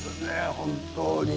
本当に。